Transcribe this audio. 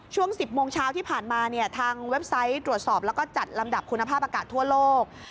ช่วง๑๐โมงเช้าที่ผ่านมาเนี่ยทางเว็บไซต์ตรวจสอบแล้วก็จัดลำดับคุณภาพอากาศทั่วโลก